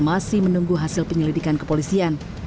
masih menunggu hasil penyelidikan kepolisian